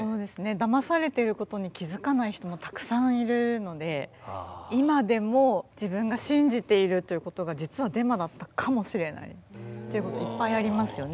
だまされていることに気付かない人もたくさんいるので今でも自分が信じているということが実はデマだったかもしれないということいっぱいありますよね。